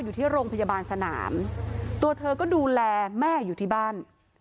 อยู่ที่โรงพยาบาลสนามตัวเธอก็ดูแลแม่อยู่ที่บ้าน